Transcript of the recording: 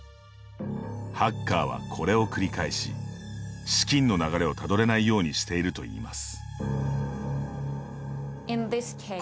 ハッカーはこれを繰り返し資金の流れをたどれないようにしているといいます。